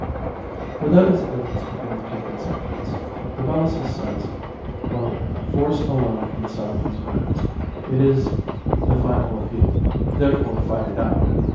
For that is the difference between the two conceptions: the Bellicist says: "Force alone can settle these matters; it is the final appeal; therefore fight it out.